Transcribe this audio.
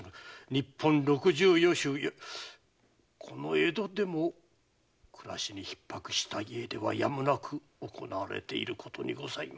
日本六十余州いやこの江戸でも暮らしに逼迫した家ではやむなく行われていることにございます。